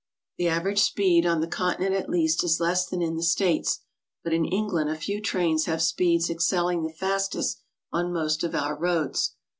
The average speed, on the Continent at least, is less than in the States, but in England a few trains have speeds ex celling the fastest on most of our roads.